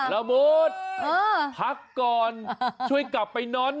ระเบิดพักก่อนช่วยกลับไปนอน